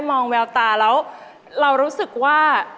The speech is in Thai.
มองแววตาแล้วเรารู้สึกว่า